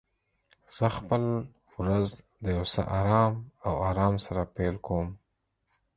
زه خپل ورځ د یو څه آرام او آرام سره پیل کوم.